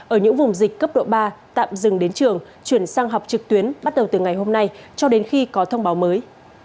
ở những vùng dịch cấp độ ba tạm dừng đến trường chuyển sang học trực tuyến bắt đầu từ ngày hôm nay cho đến khi có thông báo mới